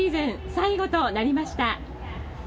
最後となりました。